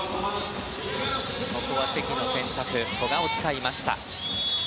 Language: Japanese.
ここは関の選択古賀を使いました。